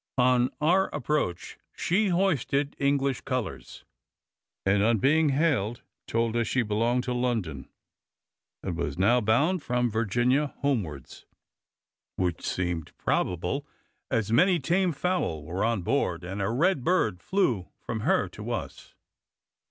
On our approach she hoisted English colors; and, on being hailed, told us she belonged to London, and was now bound from Virginia homewards, which seemed probable, as many tame fowl were on board; and a red bird flew from her to us.